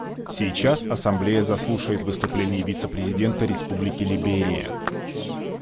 Сейчас Ассамблея заслушает выступление вице-президента Республики Либерия.